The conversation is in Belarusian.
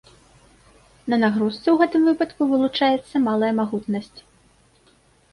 На нагрузцы ў гэтым выпадку вылучаецца малая магутнасць.